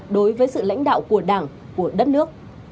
đối với sự lãnh đạo của đảng của đất nước